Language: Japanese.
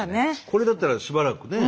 これだったらしばらくね。